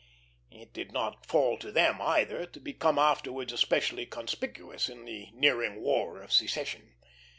It did not fall to them, either, to become afterwards especially conspicuous in the nearing War of Secession.